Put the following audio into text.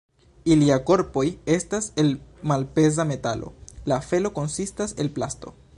Ilia korpoj estas el malpeza metalo, la felo konsistas el plasto.